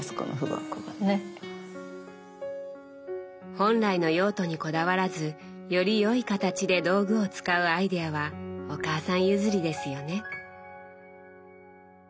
本来の用途にこだわらずよりよい形で道具を使うアイデアはお母さん譲りですよね。